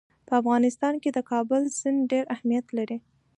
په افغانستان کې د کابل سیند ډېر اهمیت لري.